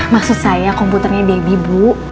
maksud saya komputernya debbie bu